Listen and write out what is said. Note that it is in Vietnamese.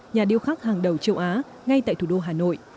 nhà điêu khắc hàng đầu châu á ngay tại thủ đô hà nội